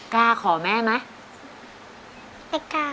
กล้าขอแม่ไหม